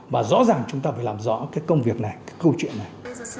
và rõ ràng chúng ta phải làm rõ cái công việc này cái câu chuyện này